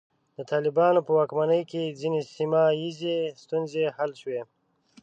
د طالبانو په واکمنۍ کې ځینې سیمه ییزې ستونزې حل شوې.